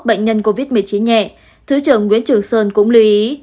bệnh nhân covid một mươi chín nhẹ thứ trưởng nguyễn trường sơn cũng lưu ý